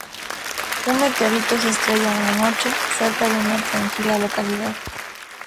Un meteorito se estrella una noche, cerca de una tranquila localidad.